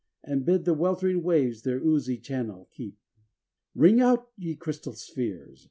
And bid the weltering waves their oozy channel keep. xm Ring out, ye crystal spheres